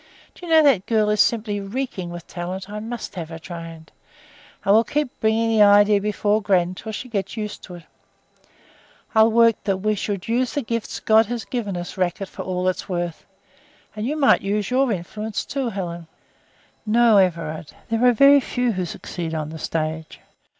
Do you know that girl is simply reeking with talent; I must have her trained. I will keep bringing the idea before gran until she gets used to it. I'll work the we should use the gifts God has given us racket for all it is worth, and you might use your influence too, Helen." "No, Everard; there are very few who succeed on the stage.